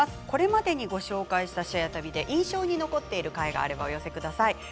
これまでにご紹介した「シェア旅」で印象に残っている回があればお寄せください。